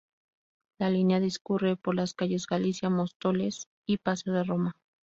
La línea discurre por las calles Galicia, Móstoles y Paseo de Roma.